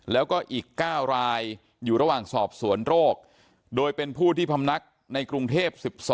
แล้วก็อีก๙รายอยู่ระหว่างสอบสวนโรคโดยเป็นผู้ที่พำนักในกรุงเทพ๑๒